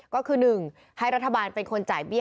ก็คือ๑ให้รัฐบาลเป็นคนจ่ายเบี้ย